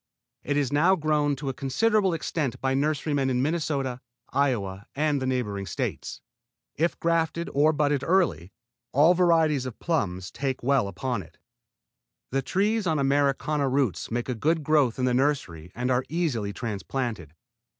It is now grown to a considerable extent by nurserymen in Minnesota, Iowa and the neighboring States. If grafted, or budded early, all varieties of plums take well upon it. The trees on Americana roots make a good growth in the nursery and are easily transplanted.